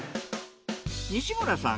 西村さん